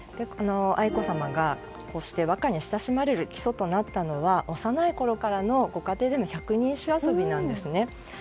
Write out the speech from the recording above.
愛子さまがこうして和歌に親しまれる基礎となったのは幼いころからのご家庭での百人一首遊びなんですね。